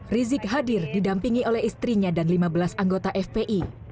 rizik hadir didampingi oleh istrinya dan lima belas anggota fpi